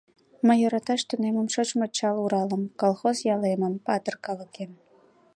Мый йӧраташ тунемым шочмо чал Уралым, Колхоз ялемым, патыр калыкем.